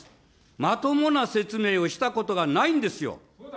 まともな説明をしたことがないんですよ。